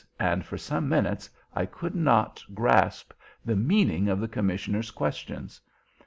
and for some minutes I could not grasp the meaning of the commissioner's questions.